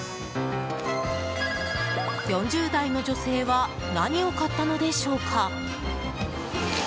４０代の女性は何を買ったのでしょうか。